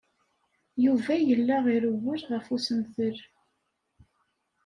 Yuba yella irewwel ɣef usentel.